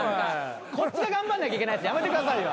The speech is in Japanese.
こっちが頑張んなきゃいけないやつやめてくださいよ。